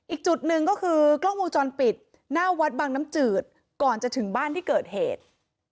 อีกจุดหนึ่งก็คือกล้องวงจรปิดหน้าวัดบางน้ำจืดก่อนจะถึงบ้านที่เกิดเหตุ